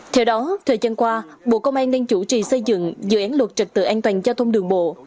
theo đó thời gian qua bộ công an đang chủ trì xây dựng dự án luật trật tự an toàn giao thông đường bộ